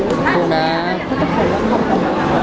ขอให้แม่